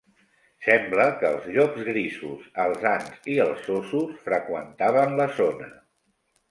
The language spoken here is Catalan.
Sembla que els llops grisos, els ants i els óssos freqüentaven la zona.